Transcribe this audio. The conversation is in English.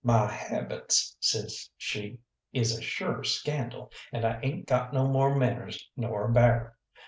"My habits," says she, "is a sure scandal, and I ain't got no more manners nor a bear.